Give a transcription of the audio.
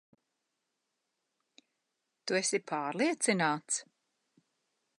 Tu esi pārliecināts?